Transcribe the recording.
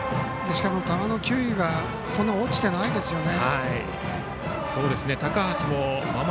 球の球威がそんなに落ちてないですよね。